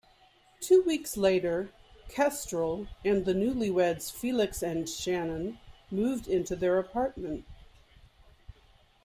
Two weeks later, Kestrel and the newlyweds Felix and Shannon moved into their apartment.